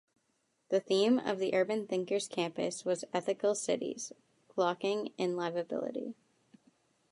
The theme of the Urban Thinkers Campus was Ethical Cities: Locking in Liveability.